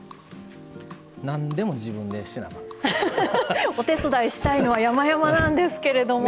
何でも自分でせなあかんです。お手伝いしたいのはやまやまなんですけれども。